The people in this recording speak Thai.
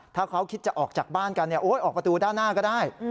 ถ้าเขาคิดจะออกจากบ้านกันออกประตูด้านหน้าก็ได้